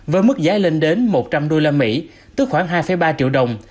với mức giá lên đến một trăm linh usd tức khoảng hai ba triệu đồng